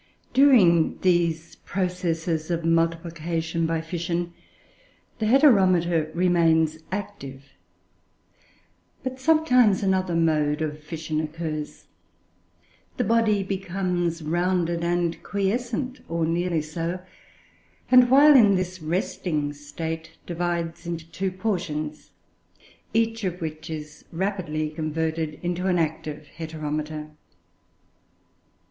During these processes of multiplication by fission, the Heteromita remains active; but sometimes another mode of fission occurs. The body becomes rounded and quiescent, or nearly so; and, while in this resting state, divides into two portions, each of which is rapidly converted into an active Heteromita.